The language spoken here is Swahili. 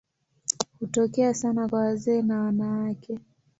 Hutokea sana kwa wazee na wanawake.